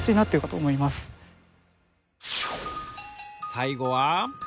最後は。